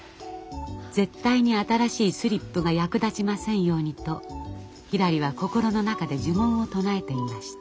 絶対に新しいスリップが役立ちませんようにとひらりは心の中で呪文を唱えていました。